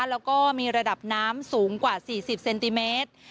แล้วก็มีระดับน้ำสูงกว่า๔๐เซนติเมตร